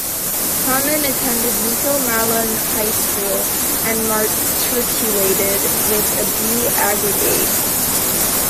Hamann attended Nico Malan High School, and Matriculated with a B aggregate.